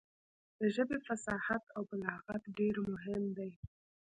د ژبې فصاحت او بلاغت ډېر مهم دی.